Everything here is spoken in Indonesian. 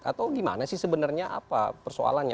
atau gimana sih sebenarnya apa persoalannya